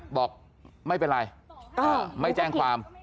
บอกไม่เป็นไรไม่แจ้งความ